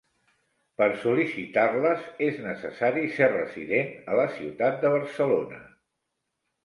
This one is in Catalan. Per sol·licitar-les, és necessari ser resident a la ciutat de Barcelona.